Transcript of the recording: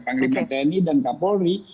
pangri berteni dan kapolri